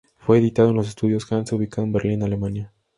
Fue editado en los Estudios Hansa ubicado en Berlín, Alemania.